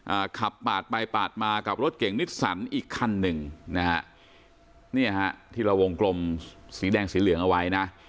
อ่าขับปาดไปปาดมากับรถเก่งนิสสันอีกคันหนึ่งนะฮะเนี่ยฮะที่เราวงกลมสีแดงสีเหลืองเอาไว้นะ